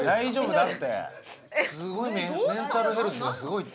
すごいメンタルヘルスがすごいって。